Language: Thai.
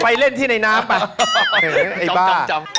ไปเล่นที่ในน้ำเอ้ยไอ้บ้า